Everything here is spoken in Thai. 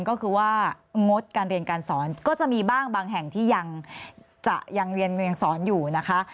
ก็คือว่างดการเรียนการสอนก็จะมีบ้างบางแห่งที่ยังจะยังเรียนสอนอยู่นะคะ